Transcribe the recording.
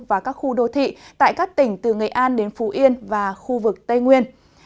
và các khu đô thị tại các tỉnh từ nghệ an đến phú yên và khu vực tây nguyên